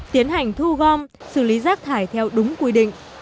tiến hành thu gom xử lý rác thải theo đúng quy định